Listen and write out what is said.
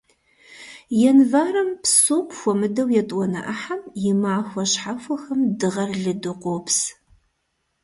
Январым, псом хуэмыдэу етӀуанэ Ӏыхьэм, и махуэ щхьэхуэхэм дыгъэр лыду къопс.